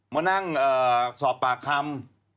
มานั่งสอบปากคำ